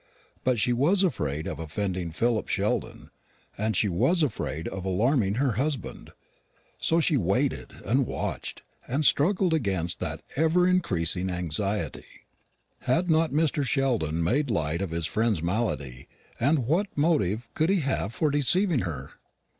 But she was afraid of offending Philip Sheldon; and she was afraid of alarming her husband. So she waited, and watched, and struggled against that ever increasing anxiety. Had not Mr. Sheldon made light of his friend's malady, and what motive could he have for deceiving her?